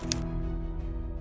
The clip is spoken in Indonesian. jaksa agung suprapto